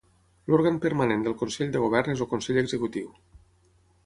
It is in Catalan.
L'òrgan permanent del Consell de Govern és el Consell Executiu.